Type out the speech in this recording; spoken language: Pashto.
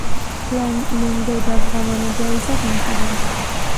لنګۍ د افغانانو د عزت نښه ده.